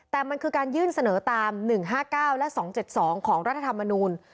แต่มันคือการยื่นเสนอตาม๑๕๙และ๒๗๒ของรัฐธรรมนูล